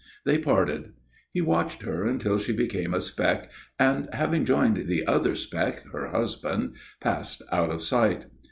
They parted. He watched her until she became a speck and, having joined the other speck, her husband, passed out of sight.